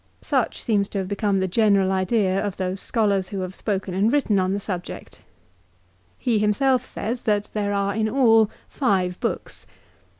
Such seems to have become the general idea of those scholars who have spoken and written on the subject. He himself says that there are in all five books.